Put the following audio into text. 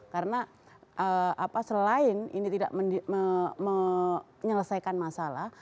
karena selain ini tidak menyelesaikan masalah